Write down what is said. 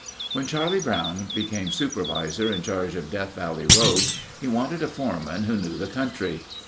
When Charlie Brown became Supervisor in charge of Death Valley roads, he wanted a foreman who knew the country.